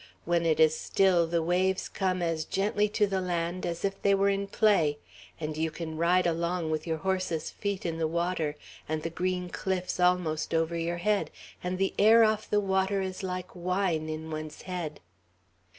When it is still, the waves come as gently to the land as if they were in play; and you can ride along with your horse's feet in the water, and the green cliffs almost over your head; and the air off the water is like wine in one's head."